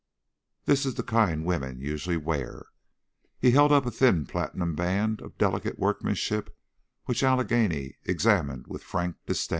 This is the kind women usually wear." He held up a thin platinum band of delicate workmanship which Allegheny examined with frank disdain.